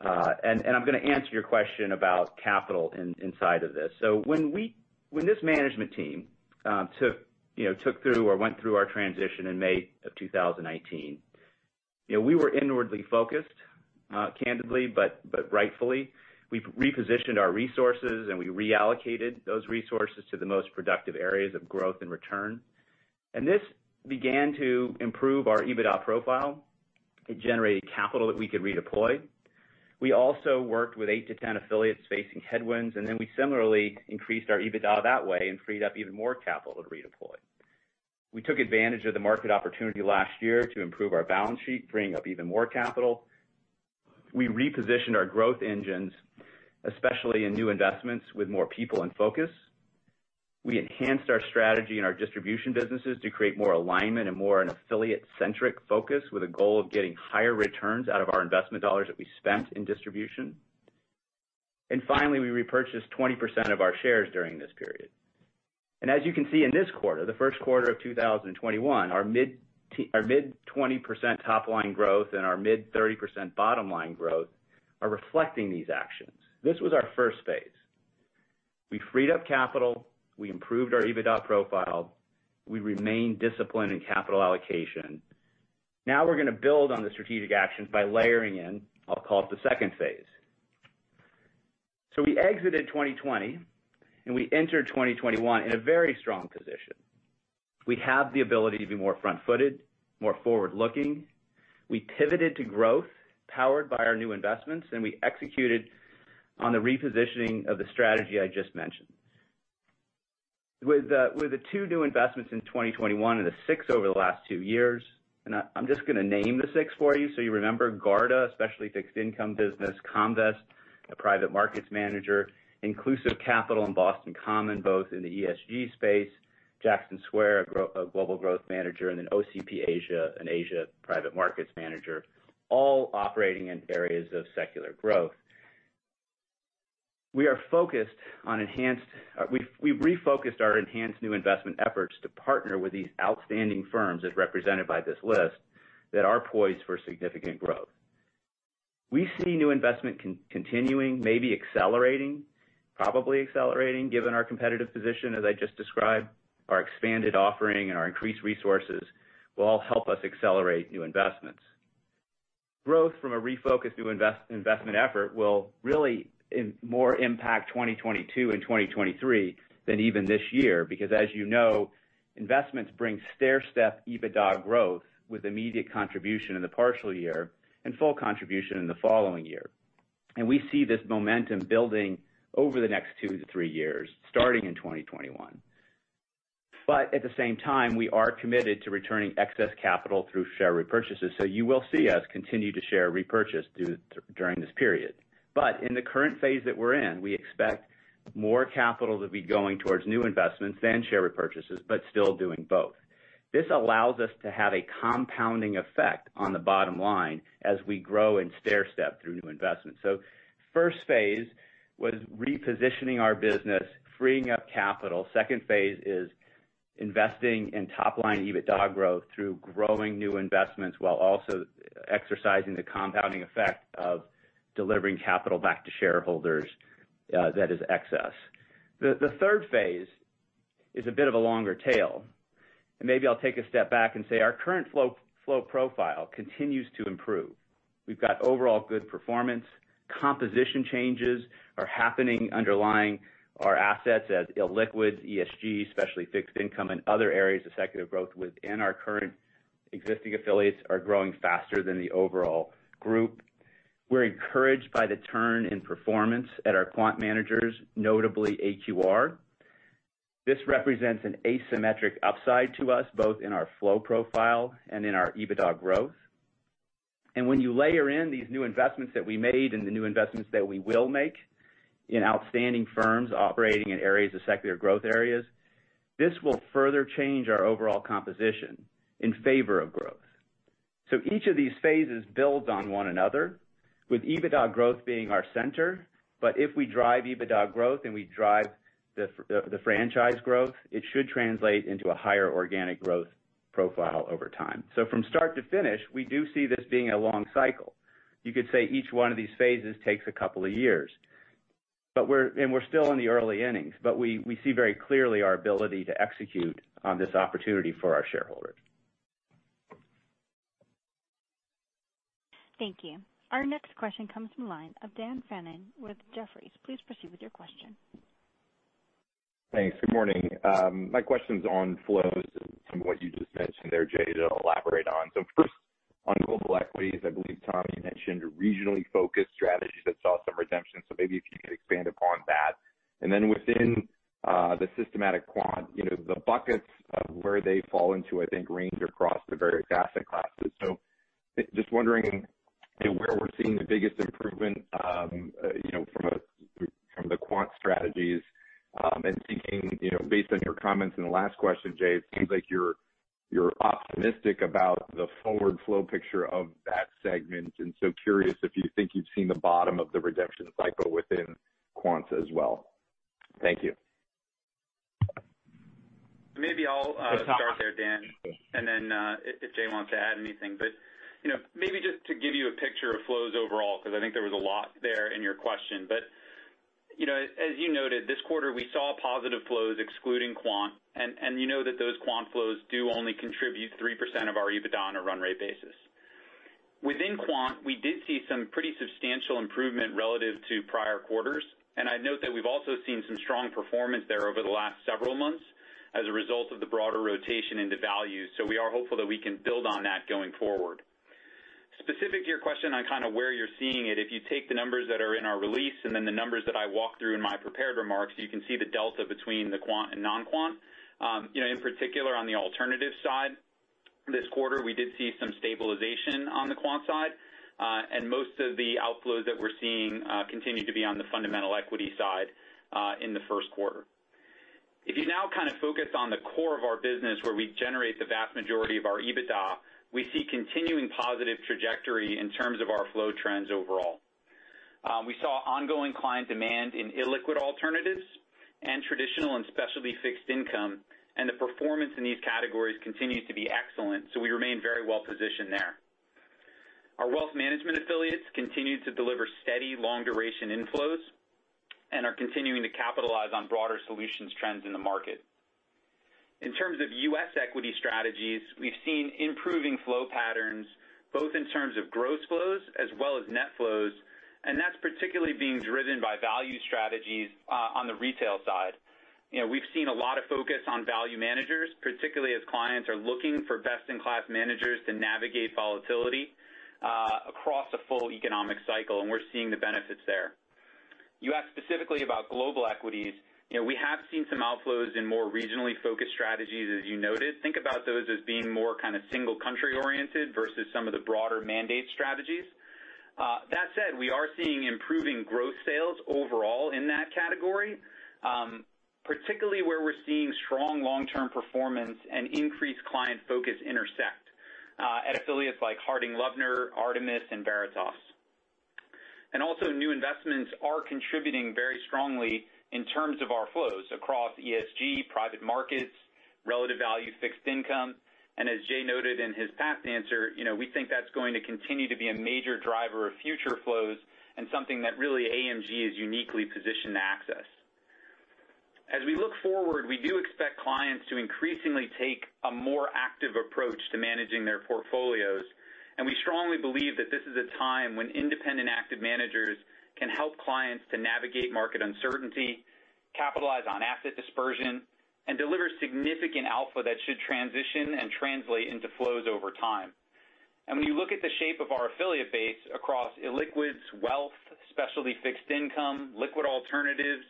I'm going to answer your question about capital inside of this. When this management team went through our transition in May of 2019, we were inwardly focused, candidly, rightfully. We repositioned our resources, and we reallocated those resources to the most productive areas of growth and return. This began to improve our EBITDA profile. It generated capital that we could redeploy. We also worked with eight to 10 affiliates facing headwinds, and then we similarly increased our EBITDA that way and freed up even more capital to redeploy. We took advantage of the market opportunity last year to improve our balance sheet, freeing up even more capital. We repositioned our growth engines, especially in new investments with more people and focus. We enhanced our strategy and our distribution businesses to create more alignment and more an affiliate-centric focus with a goal of getting higher returns out of our investment dollars that we spent in distribution. Finally, we repurchased 20% of our shares during this period. As you can see in this quarter, the first quarter of 2021, our mid-20% top-line growth and our mid-30% bottom-line growth are reflecting these actions. This was our first phase. We freed up capital. We improved our EBITDA profile. We remained disciplined in capital allocation. We're going to build on the strategic actions by layering in, I'll call it, the second phase. We exited 2020, and we entered 2021 in a very strong position. We have the ability to be more front-footed, more forward-looking. We pivoted to growth powered by our new investments, and we executed on the repositioning of the strategy I just mentioned. With the two new investments in 2021 and the six over the last two years, and I'm just going to name the six for you so you remember. Garda, a specialty fixed income business. Comvest, a private markets manager. Inclusive Capital and Boston Common, both in the ESG space. Jackson Square, a global growth manager. OCP Asia, an Asia private markets manager, all operating in areas of secular growth. We refocused our enhanced new investment efforts to partner with these outstanding firms, as represented by this list, that are poised for significant growth. We see new investment continuing, maybe accelerating, probably accelerating, given our competitive position, as I just described. Our expanded offering and our increased resources will all help us accelerate new investments. Growth from a refocused new investment effort will really more impact 2022 and 2023 than even this year, because as you know, investments bring stairstep EBITDA growth with immediate contribution in the partial year and full contribution in the following year. We see this momentum building over the next two to three years, starting in 2021. At the same time, we are committed to returning excess capital through share repurchases. You will see us continue to share repurchase during this period. In the current phase that we're in, we expect more capital to be going towards new investments than share repurchases, but still doing both. This allows us to have a compounding effect on the bottom line as we grow and stairstep through new investments. First phase was repositioning our business, freeing up capital. Second phase is investing in top-line EBITDA growth through growing new investments while also exercising the compounding effect of delivering capital back to shareholders that is excess. The third phase is a bit of a longer tail. Maybe I'll take a step back and say our current flow profile continues to improve. We've got overall good performance. Composition changes are happening underlying our assets as illiquid ESG, especially fixed income and other areas of secular growth within our current existing affiliates are growing faster than the overall group. We're encouraged by the turn in performance at our quant managers, notably AQR. This represents an asymmetric upside to us, both in our flow profile and in our EBITDA growth. When you layer in these new investments that we made and the new investments that we will make in outstanding firms operating in areas of secular growth areas, this will further change our overall composition in favor of growth. Each of these phases builds on one another with EBITDA growth being our center. If we drive EBITDA growth and we drive the franchise growth, it should translate into a higher organic growth profile over time. From start to finish, we do see this being a long cycle. You could say each one of these phases takes a couple of years. We're still in the early innings, but we see very clearly our ability to execute on this opportunity for our shareholders. Thank you. Our next question comes from the line of Dan Fannon with Jefferies. Please proceed with your question. Thanks. Good morning. My question's on flows and some of what you just mentioned there, Jay Horgen, that I'll elaborate on. First, on global equities, I believe, Tom Wojcik, you mentioned a regionally focused strategy that saw some redemption. Maybe if you could expand upon that. Then within the systematic quant, the buckets of where they fall into, I think, range across the various asset classes. Just wondering where we're seeing the biggest improvement from the quant strategies. Thinking based on your comments in the last question, Jay Horgen, it seems like you're optimistic about the forward flow picture of that segment, and so curious if you think you've seen the bottom of the redemption cycle within quants as well. Thank you. Maybe I'll start there, Dan, and then if Jay wants to add anything. Maybe just to give you a picture of flows overall because I think there was a lot there in your question. As you noted, this quarter, we saw positive flows excluding quant, and you know that those quant flows do only contribute 3% of our EBITDA on a run rate basis. Within quant, we did see some pretty substantial improvement relative to prior quarters, and I'd note that we've also seen some strong performance there over the last several months as a result of the broader rotation into value. We are hopeful that we can build on that going forward. Specific to your question on kind of where you're seeing it, if you take the numbers that are in our release and then the numbers that I walked through in my prepared remarks, you can see the delta between the quant and non-quant. In particular, on the alternatives side, this quarter, we did see some stabilization on the quant side. Most of the outflows that we're seeing continue to be on the fundamental equity side in the first quarter. If you now kind of focus on the core of our business where we generate the vast majority of our EBITDA, we see continuing positive trajectory in terms of our flow trends overall. We saw ongoing client demand in illiquid alternatives and traditional and specialty fixed income, and the performance in these categories continues to be excellent, so we remain very well positioned there. Our wealth management affiliates continue to deliver steady, long-duration inflows and are continuing to capitalize on broader solutions trends in the market. In terms of U.S. equity strategies, we've seen improving flow patterns, both in terms of gross flows as well as net flows, and that's particularly being driven by value strategies on the retail side. We've seen a lot of focus on value managers, particularly as clients are looking for best-in-class managers to navigate volatility across a full economic cycle, and we're seeing the benefits there. You asked specifically about global equities. We have seen some outflows in more regionally focused strategies, as you noted. Think about those as being more kind of single country oriented versus some of the broader mandate strategies. That said, we are seeing improving growth sales overall in that category, particularly where we're seeing strong long-term performance and increased client focus intersect at affiliates like Harding Loevner, Artemis and Veritas. Also, new investments are contributing very strongly in terms of our flows across ESG, private markets, relative value fixed income. As Jay noted in his past answer, we think that's going to continue to be a major driver of future flows and something that really AMG is uniquely positioned to access. As we look forward, we do expect clients to increasingly take a more active approach to managing their portfolios, and we strongly believe that this is a time when independent active managers can help clients to navigate market uncertainty, capitalize on asset dispersion and deliver significant alpha that should transition and translate into flows over time. When you look at the shape of our affiliate base across illiquids, wealth, specialty fixed income, liquid alternatives,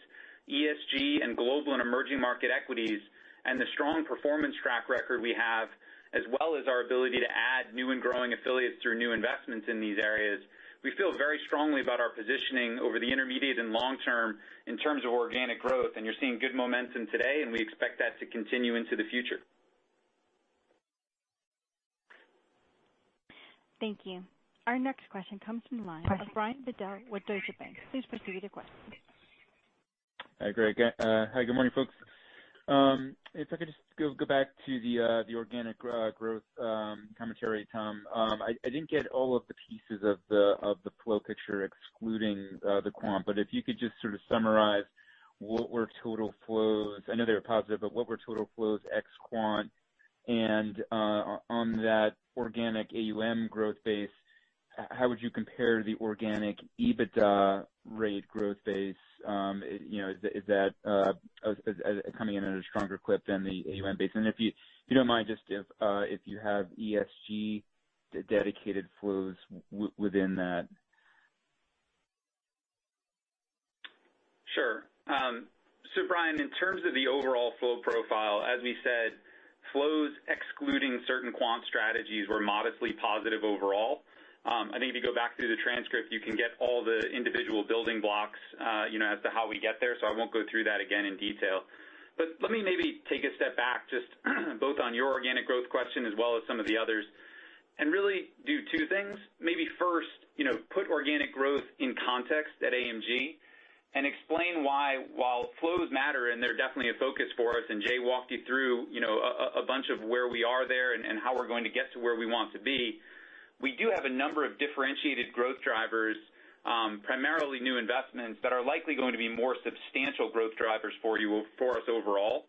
ESG, and global and emerging market equities, and the strong performance track record we have, as well as our ability to add new and growing affiliates through new investments in these areas, we feel very strongly about our positioning over the intermediate and long term in terms of organic growth, and you're seeing good momentum today, and we expect that to continue into the future. Thank you. Our next question comes from the line of Brian Bedell with Deutsche Bank. Please proceed with your question. Hi, great. Hi, good morning, folks. If I could just go back to the organic growth commentary, Tom. I didn't get all of the pieces of the flow picture excluding the quant, but if you could just sort of summarize what were total flows. I know they were positive, but what were total flows ex quant? On that organic AUM growth base, how would you compare the organic EBITDA rate growth base? Is that coming in at a stronger clip than the AUM base? If you don't mind, just if you have ESG-dedicated flows within that. Sure. Brian, in terms of the overall flow profile, as we said, flows excluding certain quant strategies were modestly positive overall. I think if you go back through the transcript, you can get all the individual building blocks as to how we get there. I won't go through that again in detail. Let me maybe take a step back, just both on your organic growth question as well as some of the others, and really do two things. Maybe first, put organic growth in context at AMG and explain why, while flows matter and they're definitely a focus for us, and Jay walked you through a bunch of where we are there and how we're going to get to where we want to be. We do have a number of differentiated growth drivers, primarily new investments, that are likely going to be more substantial growth drivers for us overall.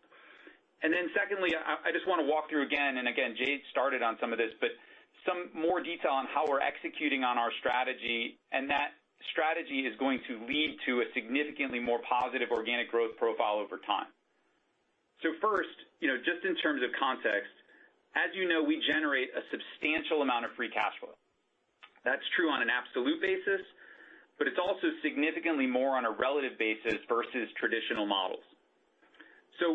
Secondly, I just want to walk through again, Jay started on some of this, but some more detail on how we're executing on our strategy, and that strategy is going to lead to a significantly more positive organic growth profile over time. First, just in terms of context, as you know, we generate a substantial amount of free cash flow. That's true on an absolute basis, but it's also significantly more on a relative basis versus traditional models.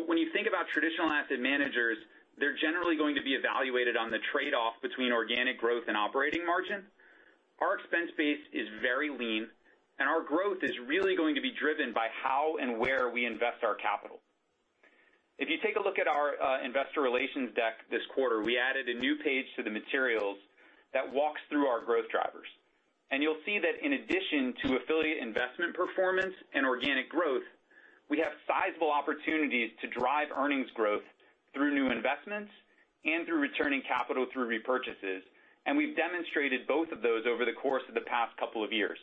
When you think about traditional asset managers, they're generally going to be evaluated on the trade-off between organic growth and operating margin. Our expense base is very lean, and our growth is really going to be driven by how and where we invest our capital. If you take a look at our investor relations deck this quarter, we added a new page to the materials that walks through our growth drivers. You'll see that in addition to affiliate investment performance and organic growth, we have sizable opportunities to drive earnings growth through new investments and through returning capital through repurchases. We've demonstrated both of those over the course of the past couple of years.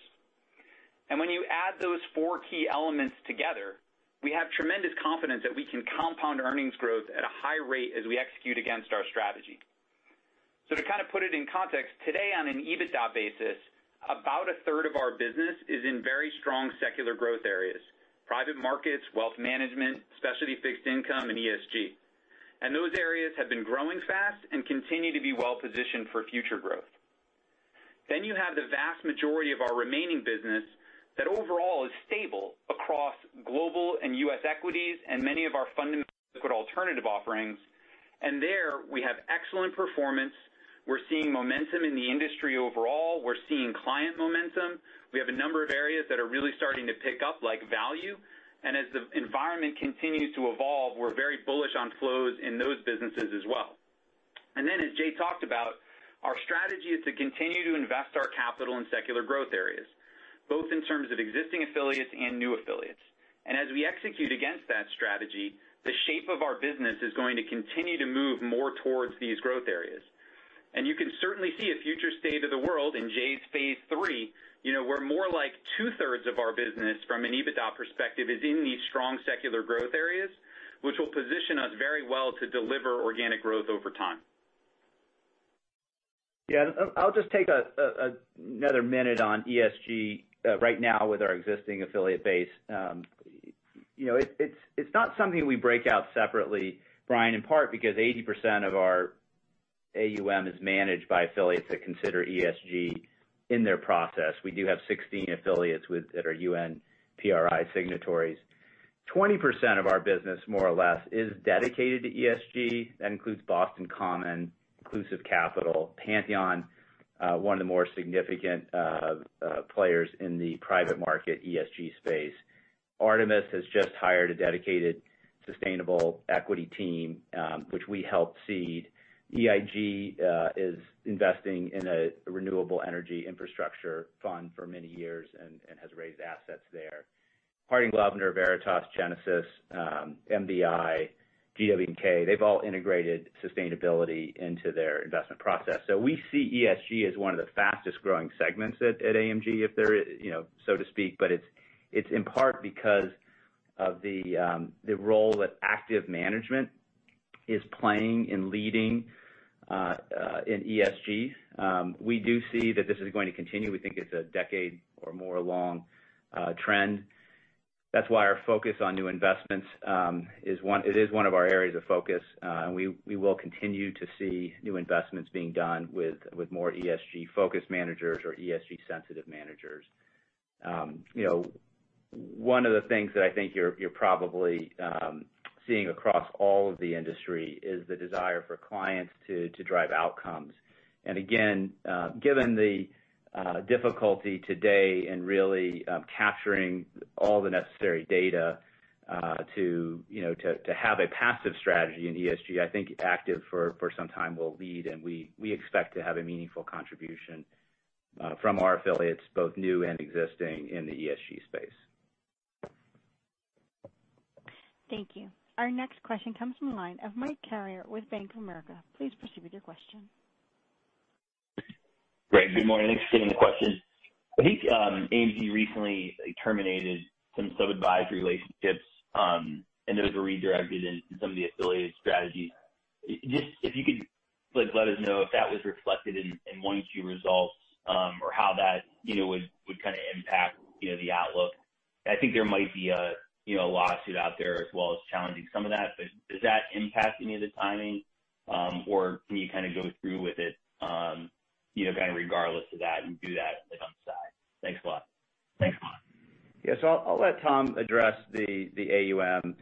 When you add those four key elements together, we have tremendous confidence that we can compound earnings growth at a high rate as we execute against our strategy. To kind of put it in context, today, on an EBITDA basis, about 1/3 of our business is in very strong secular growth areas, private markets, wealth management, specialty fixed income, and ESG. Those areas have been growing fast and continue to be well-positioned for future growth. You have the vast majority of our remaining business that overall is stable across global and U.S. equities and many of our fundamental liquid alternative offerings. There we have excellent performance. We're seeing momentum in the industry overall. We're seeing client momentum. We have a number of areas that are really starting to pick up, like value. As the environment continues to evolve, we're very bullish on flows in those businesses as well. Then, as Jay talked about, our strategy is to continue to invest our capital in secular growth areas, both in terms of existing affiliates and new affiliates. As we execute against that strategy, the shape of our business is going to continue to move more towards these growth areas. You can certainly see a future state of the world in Jay's phase three, where more like 2/3 of our business from an EBITDA perspective is in these strong secular growth areas, which will position us very well to deliver organic growth over time. Yeah, I'll just take another minute on ESG right now with our existing affiliate base. It's not something we break out separately, Brian, in part because 80% of our AUM is managed by affiliates that consider ESG in their process. We do have 16 affiliates that are UNPRI signatories. 20% of our business, more or less, is dedicated to ESG. That includes Boston Common, Inclusive Capital, Pantheon, one of the more significant players in the private market ESG space. Artemis has just hired a dedicated sustainable equity team, which we helped seed. EIG is investing in a renewable energy infrastructure fund for many years and has raised assets there. Harding Loevner, Veritas, Genesis, MDI, GW&K, they've all integrated sustainability into their investment process. We see ESG as one of the fastest-growing segments at AMG, so to speak, but it's in part because of the role that active management is playing and leading in ESG. We do see that this is going to continue. We think it's a decade or more long trend. That's why our focus on new investments, it is one of our areas of focus. We will continue to see new investments being done with more ESG-focused managers or ESG-sensitive managers. One of the things that I think you're probably seeing across all of the industry is the desire for clients to drive outcomes. Given the difficulty today in really capturing all the necessary data to have a passive strategy in ESG, I think active for some time will lead, and we expect to have a meaningful contribution from our affiliates, both new and existing in the ESG space. Thank you. Our next question comes from the line of Mike Carrier with Bank of America. Please proceed with your question. Great. Good morning. Thanks for taking the question. I think AMG recently terminated some sub-advisory relationships, and those were redirected into some of the affiliated strategies. If you could let us know if that was reflected in 1Q results, or how that would impact the outlook. I think there might be a lawsuit out there as well challenging some of that, but does that impact any of the timing? Can you go through with it regardless of that and do that on the side? Thanks a lot. Yes. I'll let Tom address the AUM.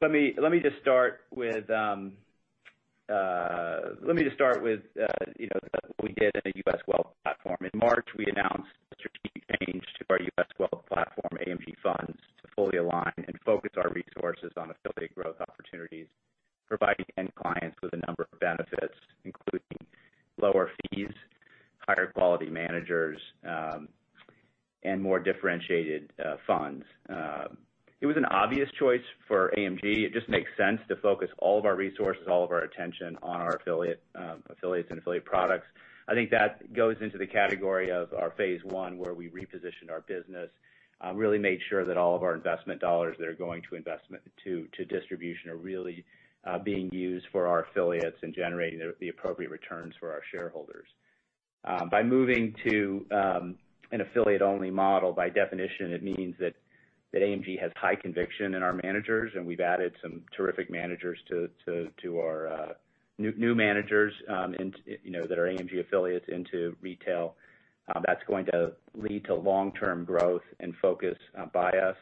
Let me just start with what we did in the U.S. Wealth Platform. In March, we announced a strategic change to our U.S. Wealth Platform AMG Funds to fully align and focus our resources on affiliate growth opportunities, providing end clients with a number of benefits, including lower fees, higher quality managers, and more differentiated funds. It was an obvious choice for AMG. It just makes sense to focus all of our resources, all of our attention on our affiliates and affiliate products. I think that goes into the category of our phase one, where we repositioned our business, really made sure that all of our investment dollars that are going to distribution are really being used for our affiliates and generating the appropriate returns for our shareholders. By moving to an affiliate-only model, by definition, it means that AMG has high conviction in our managers, and we've added some terrific new managers that are AMG affiliates into retail. That's going to lead to long-term growth and focus by us.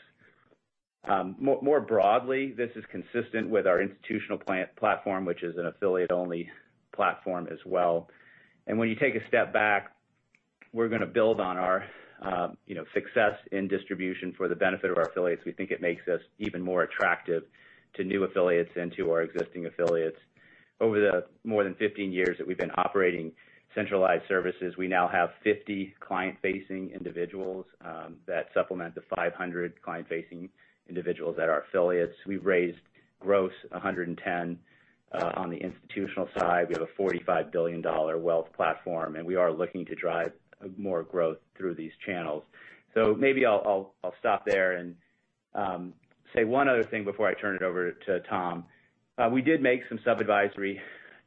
More broadly, this is consistent with our institutional platform, which is an affiliate-only platform as well. When you take a step back, we're going to build on our success in distribution for the benefit of our affiliates. We think it makes us even more attractive to new affiliates and to our existing affiliates. Over the more than 15 years that we've been operating centralized services, we now have 50 client-facing individuals that supplement the 500 client-facing individuals at our affiliates. We've raised gross $110 [million on the institutional side. We have a $45 billion wealth platform, and we are looking to drive more growth through these channels. Maybe I'll stop there and say one other thing before I turn it over to Tom. We did make some sub-advisory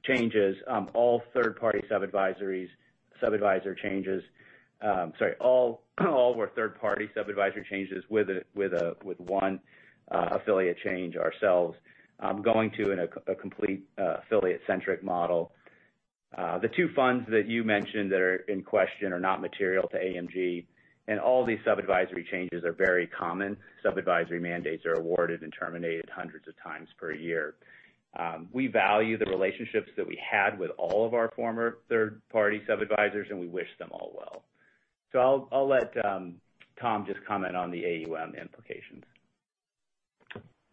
changes. All third-party sub-advisory changes with one affiliate change ourselves going to a complete affiliate-centric model. The two funds that you mentioned that are in question are not material to AMG, and all these sub-advisory changes are very common. Sub-advisory mandates are awarded and terminated hundreds of times per year. We value the relationships that we had with all of our former third-party sub-advisors, and we wish them all well. I'll let Tom just comment on the AUM implications.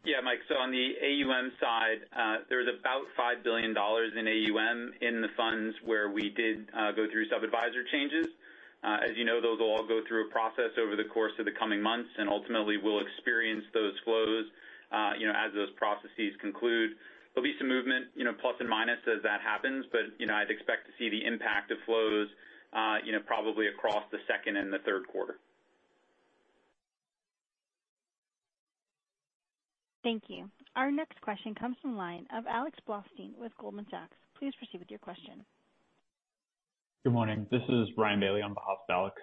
Yeah, Mike. On the AUM side, there's about $5 billion in AUM in the funds where we did go through sub-adviser changes. As you know, those will all go through a process over the course of the coming months, and ultimately we'll experience those flows as those processes conclude. There'll be some movement plus and minus as that happens, but I'd expect to see the impact of flows probably across the second and the third quarter. Thank you. Our next question comes from the line of Alex Blostein with Goldman Sachs. Please proceed with your question. Good morning. This is Ryan Bailey on behalf of Alex.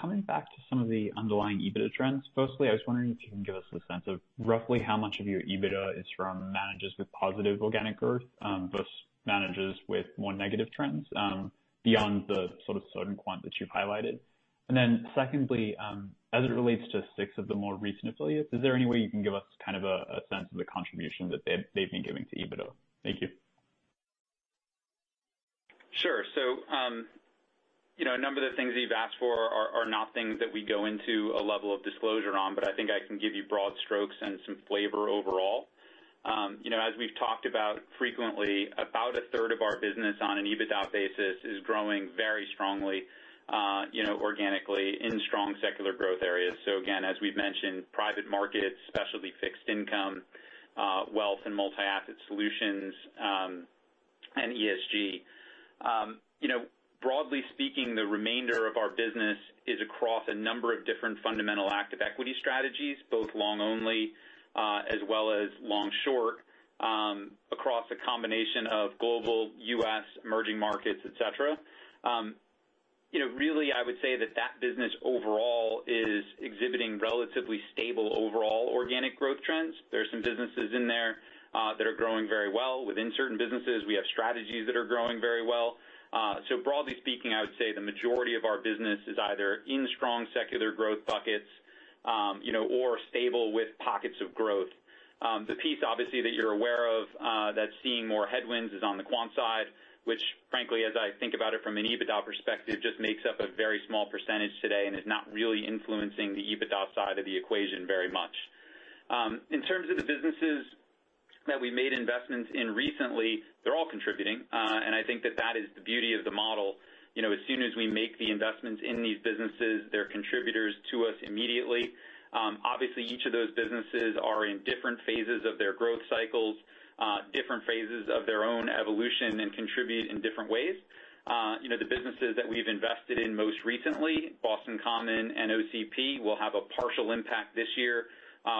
Coming back to some of the underlying EBITDA trends, firstly, I was wondering if you can give us a sense of roughly how much of your EBITDA is from managers with positive organic growth versus managers with more negative trends beyond the sort of certain quant that you've highlighted. Secondly, as it relates to six of the more recent affiliates, is there any way you can give us a sense of the contribution that they've been giving to EBITDA? Thank you. Sure. A number of the things that you've asked for are not things that we go into a level of disclosure on, but I think I can give you broad strokes and some flavor overall. As we've talked about frequently, about 1/3 of our business on an EBITDA basis is growing very strongly organically in strong secular growth areas. Again, as we've mentioned, private markets, specialty fixed income, wealth and multi-asset solutions, and ESG, broadly speaking, the remainder of our business is across a number of different fundamental active equity strategies, both long only as well as long short, across a combination of global U.S. emerging markets, et cetera. Really, I would say that that business overall is exhibiting relatively stable overall organic growth trends. There's some businesses in there that are growing very well. Within certain businesses, we have strategies that are growing very well. Broadly speaking, I would say the majority of our business is either in strong secular growth buckets or stable with pockets of growth. The piece, obviously, that you're aware of that's seeing more headwinds is on the quant side, which frankly, as I think about it from an EBITDA perspective, just makes up a very small percentage today and is not really influencing the EBITDA side of the equation very much. In terms of the businesses that we made investments in recently, they're all contributing. I think that that is the beauty of the model. As soon as we make the investments in these businesses, they're contributors to us immediately. Obviously, each of those businesses are in different phases of their growth cycles, different phases of their own evolution, and contribute in different ways. The businesses that we've invested in most recently, Boston Common and OCP, will have a partial impact this year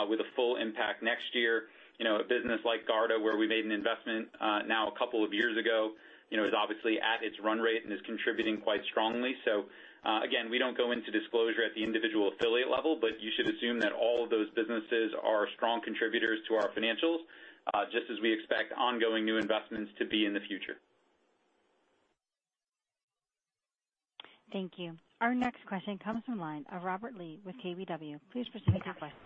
with a full impact next year. A business like Garda, where we made an investment now a couple of years ago, is obviously at its run rate and is contributing quite strongly. Again, we don't go into disclosure at the individual affiliate level, but you should assume that all of those businesses are strong contributors to our financials, just as we expect ongoing new investments to be in the future. Thank you. Our next question comes from the line of Robert Lee with KBW. Please proceed with your question.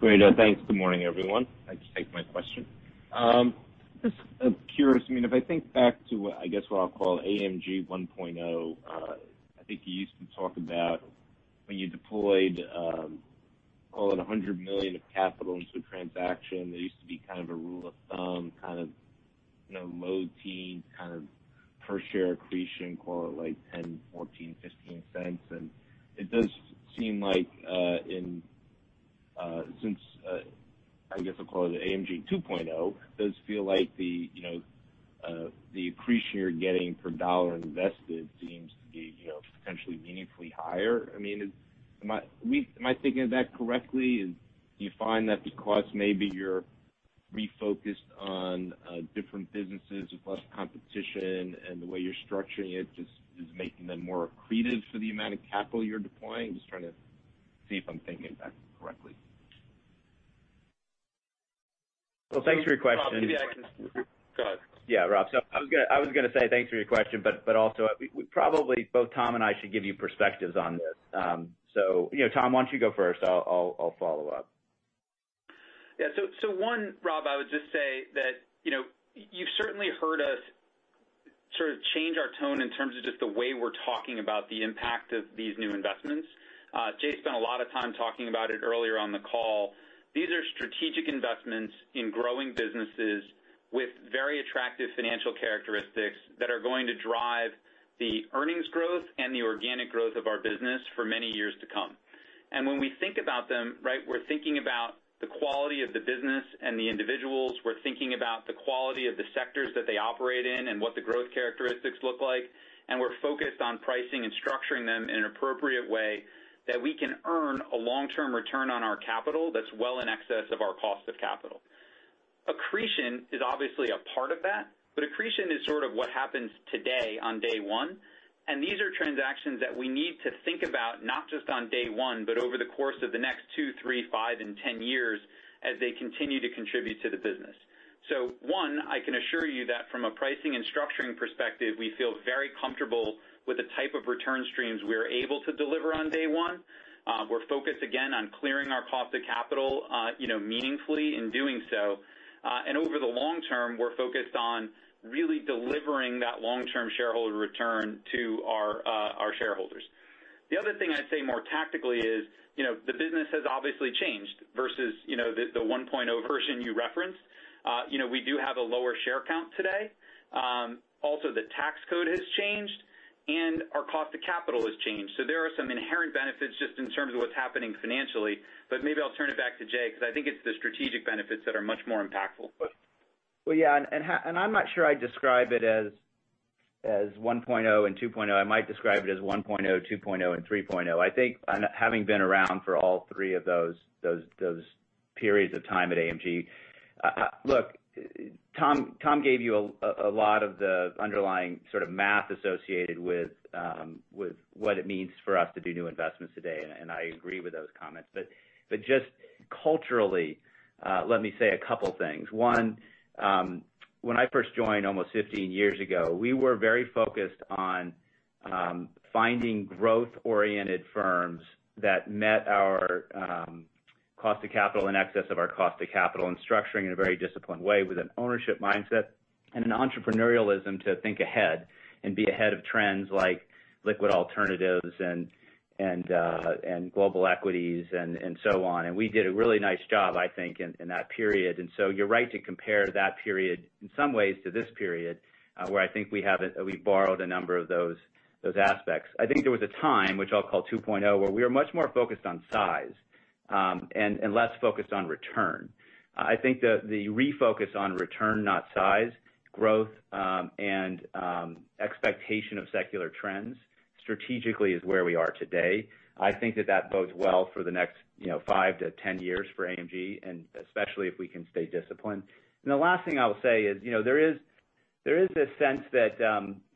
Great. Thanks. Good morning, everyone. Thanks for taking my question. Just curious, if I think back to what I'll call AMG 1.0, I think you used to talk about when you deployed, call it, $100 million of capital into a transaction. There used to be kind of a rule of thumb, kind of low teen kind of per share accretion, call it like $0.10, $0.14, $0.15. It does seem like since, I'll call it AMG 2.0, does feel like the accretion you're getting per dollar invested seems to be potentially meaningfully higher. Am I thinking of that correctly? Do you find that because maybe you're refocused on different businesses with less competition, and the way you're structuring it just is making them more accretive for the amount of capital you're deploying? I'm just trying to see if I'm thinking of that correctly. Well, thanks for your question, Rob. Go ahead. Yeah, Rob. I was going to say, thanks for your question, but also, probably both Tom and I should give you perspectives on this. Tom, why don't you go first? I'll follow up. Yeah. One, Rob, I would just say that you've certainly heard us sort of change our tone in terms of just the way we're talking about the impact of these new investments. Jay spent a lot of time talking about it earlier on the call. These are strategic investments in growing businesses with very attractive financial characteristics that are going to drive the earnings growth and the organic growth of our business for many years to come. When we think about them, we're thinking about the quality of the business and the individuals. We're thinking about the quality of the sectors that they operate in and what the growth characteristics look like. We're focused on pricing and structuring them in an appropriate way that we can earn a long-term return on our capital that's well in excess of our cost of capital. Accretion is obviously a part of that, but accretion is sort of what happens today on day one. These are transactions that we need to think about not just on day one, but over the course of the next two, three, five, and 10 years as they continue to contribute to the business. One, I can assure you that from a pricing and structuring perspective, we feel very comfortable with the type of return streams we are able to deliver on day one. We're focused, again, on clearing our cost of capital meaningfully in doing so. Over the long term, we're focused on really delivering that long-term shareholder return to our shareholders. The other thing I'd say more tactically is, the business has obviously changed versus the 1.0 version you referenced. We do have a lower share count today. Also, the tax code has changed, and our cost of capital has changed. There are some inherent benefits just in terms of what's happening financially. Maybe I'll turn it back to Jay, because I think it's the strategic benefits that are much more impactful. Well, yeah. I'm not sure I'd describe it as 1.0 and 2.0. I might describe it as 1.0, 2.0, and 3.0. I think having been around for all three of those periods of time at AMG. Tom gave you a lot of the underlying sort of math associated with what it means for us to do new investments today, and I agree with those comments. Just culturally, let me say a couple things. One, when I first joined almost 15 years ago, we were very focused on finding growth-oriented firms that met our cost of capital in excess of our cost of capital and structuring in a very disciplined way with an ownership mindset and an entrepreneurialism to think ahead and be ahead of trends like liquid alternatives and global equities and so on. We did a really nice job, I think, in that period. You're right to compare that period in some ways to this period, where I think we borrowed a number of those aspects. I think there was a time, which I'll call 2.0, where we were much more focused on size and less focused on return. I think the refocus on return, not size, growth, and expectation of secular trends strategically is where we are today. I think that that bodes well for the next 5-10 years for AMG, and especially if we can stay disciplined. The last thing I'll say is there is this sense that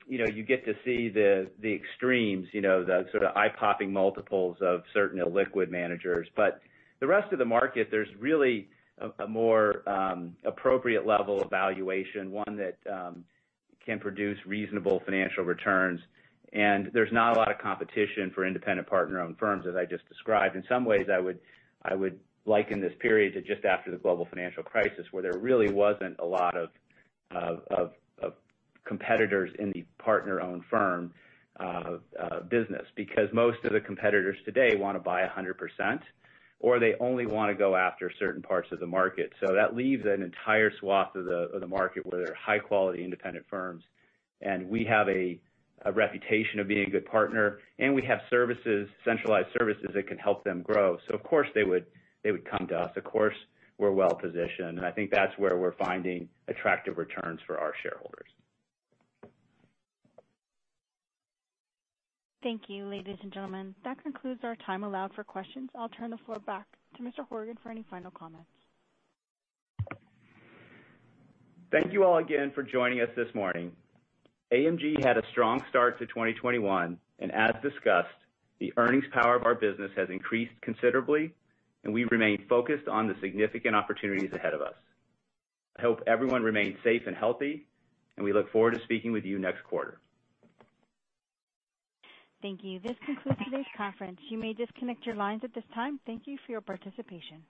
you get to see the extremes, the sort of eye-popping multiples of certain illiquid managers. The rest of the market, there's really a more appropriate level of valuation, one that can produce reasonable financial returns, and there's not a lot of competition for independent partner-owned firms, as I just described. In some ways, I would liken this period to just after the global financial crisis, where there really wasn't a lot of competitors in the partner-owned firm business because most of the competitors today want to buy 100%, or they only want to go after certain parts of the market. That leaves an entire swath of the market where there are high-quality independent firms, and we have a reputation of being a good partner, and we have centralized services that can help them grow. Of course, they would come to us. Of course, we're well-positioned, and I think that's where we're finding attractive returns for our shareholders. Thank you, ladies and gentlemen. That concludes our time allowed for questions. I'll turn the floor back to Mr. Horgen for any final comments. Thank you all again for joining us this morning. AMG had a strong start to 2021, and as discussed, the earnings power of our business has increased considerably, and we remain focused on the significant opportunities ahead of us. I hope everyone remains safe and healthy, and we look forward to speaking with you next quarter. Thank you. This concludes today's conference. You may disconnect your lines at this time. Thank you for your participation.